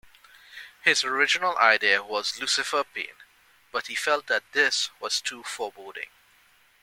His original idea was Lucifer Payne, but he felt that this was too foreboding.